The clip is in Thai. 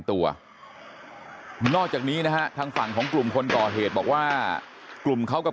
ตัวนอกจากนี้นะฮะทางฝั่งของกลุ่มคนก่อเหตุบอกว่ากลุ่มเขากับ